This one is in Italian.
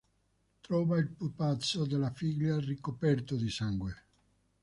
Trova il pupazzo della figlia, ricoperto di sangue.